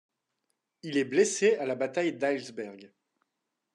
Il est blessé à la bataille d’Heilsberg.